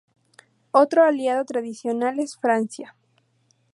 Otro aliado tradicional es Francia.